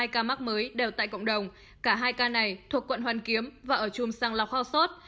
hai ca mắc mới đều tại cộng đồng cả hai ca này thuộc quận hoàn kiếm và ở chùm sàng lọc hoa sốt